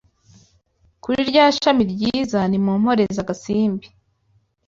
Kuri rya shami ryiza Nimumporeze agasimbi